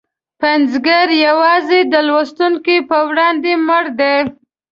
پنځګر یوازې د لوستونکي په وړاندې مړ دی.